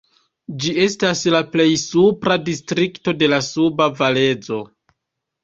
Ĝi estas la plej supra distrikto de la Suba Valezo.